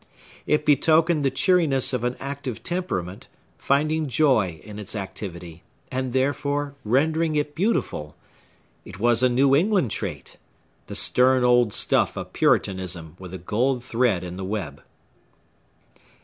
It betokened the cheeriness of an active temperament, finding joy in its activity, and, therefore, rendering it beautiful; it was a New England trait,—the stern old stuff of Puritanism with a gold thread in the web.